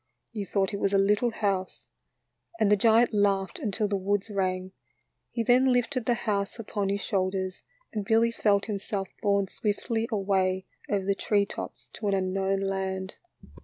You thought it was a little house," and the giant laughed until the woods rang;. He then lifted the house upon his shoulders and Billy felt himself borne swiftly away over the tree tops to an unknown land.